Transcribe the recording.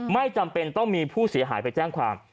ไม่จำเป็นต้องมีผู้เสียหายไปแจ้งความ